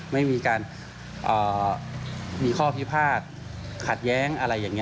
ไม่มีการมีข้อพิพาทขัดแย้งอะไรอย่างนี้